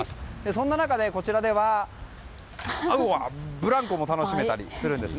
そんな中で、こちらではブランコも楽しめたりするんです。